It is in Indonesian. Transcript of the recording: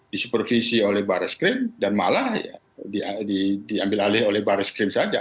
disupervisi oleh barreskrim dan malah diambil alih oleh baris krim saja